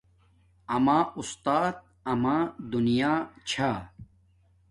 آما اُستات آما دنیا چھا